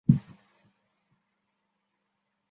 毕业于锦州医学院医疗专业。